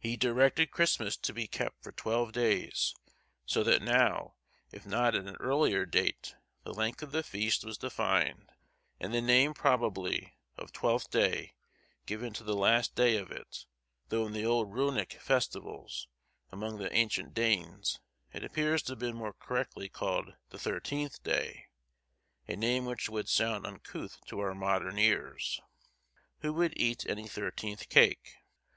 He directed Christmas to be kept for twelve days; so that now, if not at an earlier date, the length of the feast was defined, and the name, probably, of Twelfth day given to the last day of it; though, in the old Runic festivals, among the ancient Danes, it appears to have been more correctly called the thirteenth day, a name which would sound uncouth to our modern ears: Who would eat any thirteenth cake?